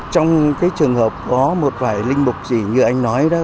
trong trường hợp có một vài linh mục gì như anh nói đó